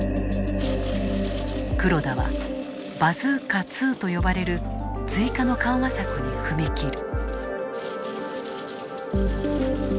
黒田は「バズーカ２」と呼ばれる追加の緩和策に踏み切る。